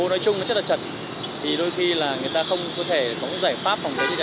nói chung nó rất là chật thì đôi khi là người ta không có thể có giải pháp phòng cháy cháy an toàn